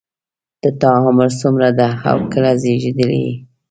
د تا عمر څومره ده او کله زیږیدلی یې